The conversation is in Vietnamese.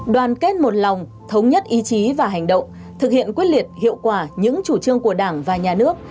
đoàn kết một lòng thống nhất ý chí và hành động thực hiện quyết liệt hiệu quả những chủ trương của đảng và nhà nước